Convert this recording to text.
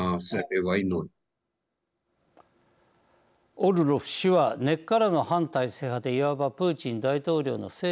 オルロフ氏は根っからの反体制派でいわばプーチン大統領の政敵です。